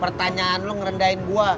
pertanyaan lo ngerendahin gue